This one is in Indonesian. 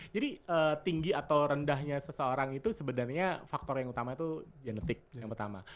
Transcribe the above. jadi tinggi atau rendahnya seseorang itu sebenarnya faktor yang utama itu genetik yang pertama